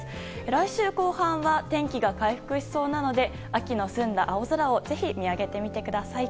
来週後半は天気が回復しそうなので秋の澄んだ青空をぜひ見上げてみてください。